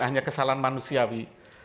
hanya kesalahan manusiawi